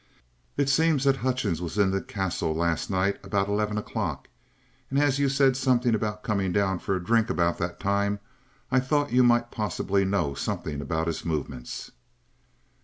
It seems that Hutchings was in the Castle last night about eleven o'clock, and as you said something about coming down for a drink about that time, I thought you might possibly know something about his movements."